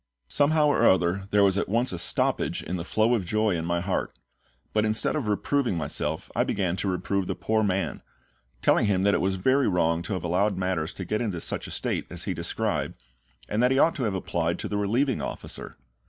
Somehow or other there was at once a stoppage in the flow of joy in my heart; but instead of reproving myself I began to reprove the poor man, telling him that it was very wrong to have allowed matters to get into such a state as he described, and that he ought to have applied to the relieving officer.